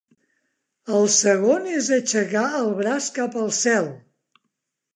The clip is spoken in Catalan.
El segon és aixecar el braç cap al cel.